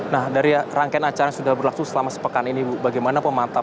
nah dari rangkaian acara sudah berlaku selama sepekan ini bu bagaimana pemantau